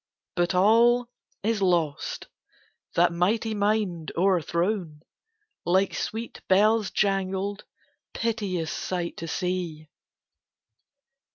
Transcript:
But all is lost: that mighty mind o'erthrown, Like sweet bells jangled, piteous sight to see!